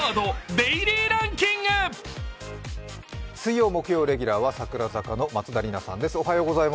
水曜、木曜レギュラーは櫻坂の松田里奈ちゃんです。